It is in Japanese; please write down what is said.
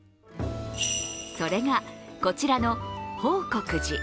それか、こちらの報国寺。